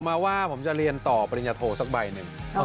มาว่าผมจะเรียนต่อปริญญาโทสักใบหนึ่ง